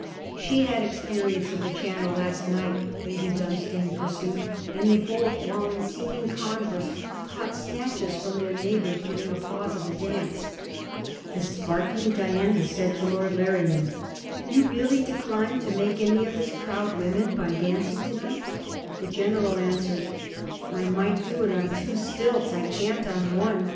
'She had experience of the Channel last night,' Lady Dunstane pursued, and they both, while in seeming converse, caught snatches from their neighbours, during a pause of the dance. The sparkling Diana said to Lord Larrian, 'You really decline to make any of us proud women by dancing to night?' The General answered: 'I might do it on two stilts; I can't on one.'